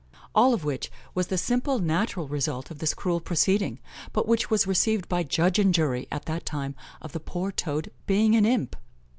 All of which was the simple natural result of this cruel proceeding, but which was received by judge and jury, at that time, of the poor toad being an imp!